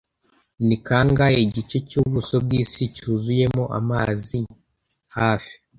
Ni kangahe igice cy'ubuso bw'isi cyuzuyemo amazi hafi